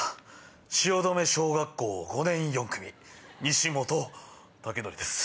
シオドメ小学校５年４組西本武徳です。